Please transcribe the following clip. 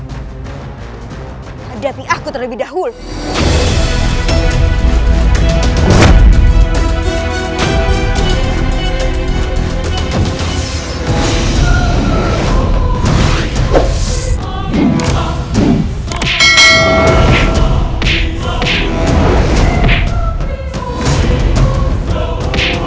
hadapi aku terlebih dahulu